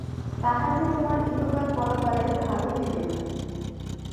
তাহাতে তোমার ইহকাল পরকালের ভালো হইবে না।